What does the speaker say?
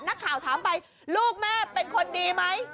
นักข่าวถามไปลูกแม่เป็นคนดีไหม